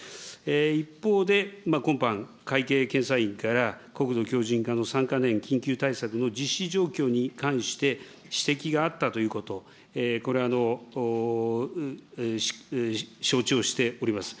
一方で、今般、会計検査院から、国土強じん化の３か年緊急対策の実施状況に関して指摘があったということ、これは承知をしております。